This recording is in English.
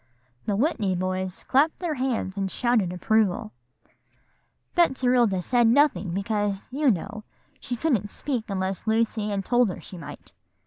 '" The Whitney boys clapped their hands and shouted approval. "Betserilda said nothing, because, you know, she couldn't speak unless Lucy Ann told her she might.